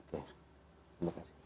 oke terima kasih